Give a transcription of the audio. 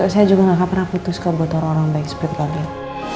saya juga gak pernah putus kebutuhan orang baik seperti pak al